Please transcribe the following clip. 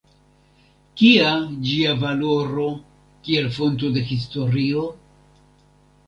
Kia ĝia valoro kiel fonto de historio?